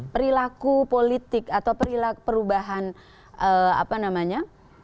perilaku politik atau perilaku perubahan apa namanya